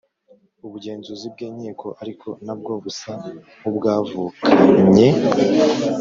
Ubugenzuzi bw’Inkiko ariko nabwo busa nk’ubwavukanye